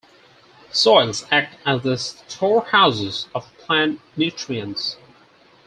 Soils act as the storehouses of plant nutrients.